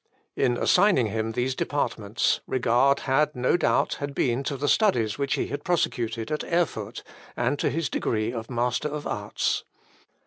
In assigning him these departments, regard had, no doubt, been had to the studies which he had prosecuted at Erfurt, and to his degree of Master of Arts.